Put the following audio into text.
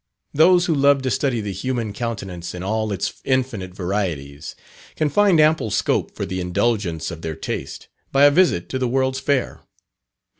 Those who love to study the human countenance in all its infinite varieties, can find ample scope for the indulgence of their taste, by a visit to the World's Fair.